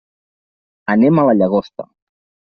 Anem a la Llagosta.